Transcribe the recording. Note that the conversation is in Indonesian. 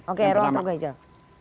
oke ruang terbuka hijau